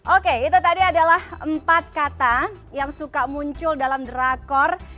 oke itu tadi adalah empat kata yang suka muncul dalam drakor